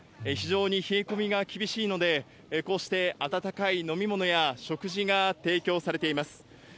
非常に冷え込みが厳しいので、こうして温かい飲み物や食事が提供されています。